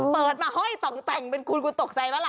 เปิดมาห้อยสองแต่งเป็นคุณคุณตกใจไหมล่ะ